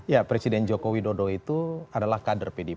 ya presiden jokowi dodo itu adalah kader pdi perjuangan